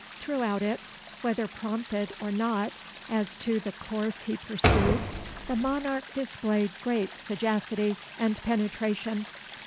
Throughout it, whether prompted or not as to the course he pursued, the Monarch displayed great sagacity and penetration.